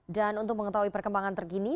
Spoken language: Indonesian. dan untuk mengetahui perkembangan terkini